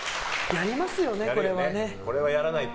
やりますよね、これはね。